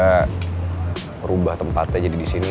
gak rubah tempat aja di sini